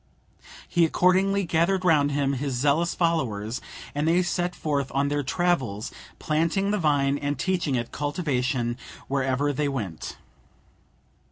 He accordingly gathered round him his zealous followers, and they set forth on their travels, planting the vine and teaching its cultivation wherever they went.